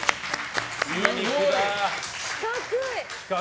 四角い。